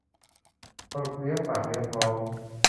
พอเลี้ยงปากเลี้ยงท้อง